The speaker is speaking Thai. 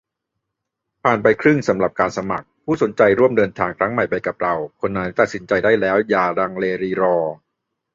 ผ่านไปครึ่งสำหรับการสมัคร ผู้สนใจร่วมเดินทางครั้งใหม่ไปกับเรา คนไหนตัดสินได้แล้ว อย่าลังเลรีรอ